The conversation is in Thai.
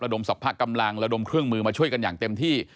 ดมสรรพกำลังระดมเครื่องมือมาช่วยกันอย่างเต็มที่